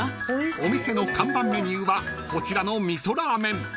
［お店の看板メニューはこちらの味噌ラーメン］